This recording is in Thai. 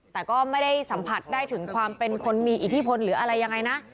แต่ก็ไม่ได้สัมผัสได้ถึงความเป็นคนมีอิทธิพลหรืออะไรยังไงนะ